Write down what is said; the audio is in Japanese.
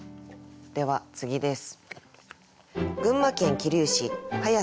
では次です。